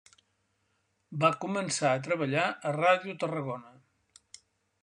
Va començar a treballar a Ràdio Tarragona.